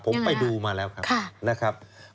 ผมไปดูมาแล้วครับนะครับ